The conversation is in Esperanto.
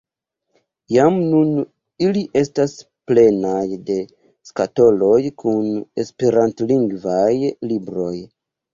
Jam nun ili estas plenaj de skatoloj kun esperantlingvaj libroj.